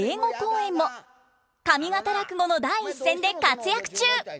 上方落語の第一線で活躍中。